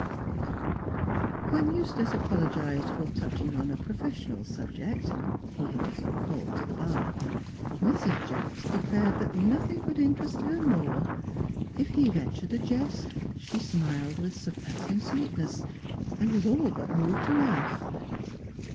When Eustace apologised for touching on a professional subject (he had just been called to the Bar), Mrs. Jacks declared that nothing could interest her more. If he ventured a jest, she smiled with surpassing sweetness, and was all but moved to laugh.